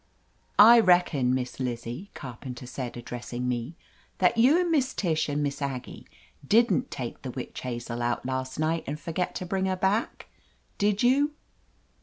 /'I reckon. Miss Lizzie," Carpenter said, ad dressing me, "that you and Miss Tish and Miss Aggie didn't take the Witch Hazel out last night and forget to bring her back, did you?"